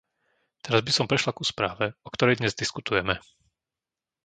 Teraz by som prešla ku správe, o ktorej dnes diskutujeme.